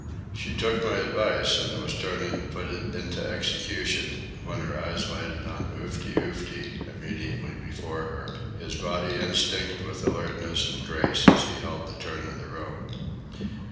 She took my advice and was turning to put it into execution, when her eyes lighted on Oofty Oofty, immediately before her, his body instinct with alertness and grace as he held the turn of the rope.